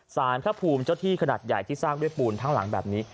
สารพระภูมิเจ้าที่ขนาดใหญ่ที่สร้างด้วยปูนทั้งหลังแบบนี้